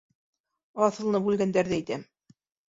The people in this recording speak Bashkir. Аҫылынып үлгәндәрҙе әйтәм.